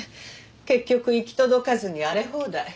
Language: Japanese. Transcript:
結局行き届かずに荒れ放題。